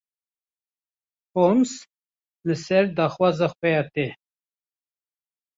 Holmes: Li ser daxwaza xweha te.